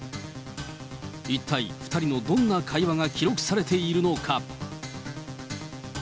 一体、２人のどんな会話が記録されているのか。